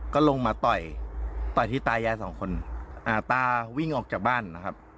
ก็ลงมาต่อยต่อยที่ตายายสองคนอ่าตาวิ่งออกจากบ้านนะครับ